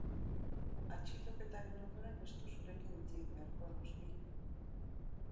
Atxiloketaren ondoren ez du zurekin hitz egin beharko, noski.